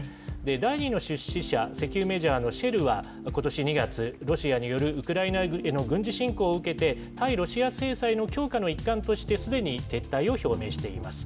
第２の出資者、石油メジャーのシェルはことし２月、ロシアによるウクライナへの軍事侵攻を受けて、対ロシア制裁の強化の一環として、すでに撤退を表明しています。